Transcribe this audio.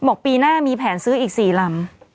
ปีหน้ามีแผนซื้ออีก๔ลำ